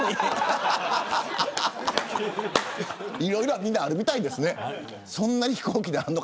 いろいろ、みんなあるみたいですね。